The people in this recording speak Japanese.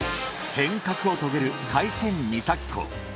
変革を遂げる海鮮三崎港。